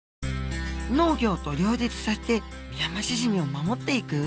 農業と両立させてミヤマシジミを守っていく？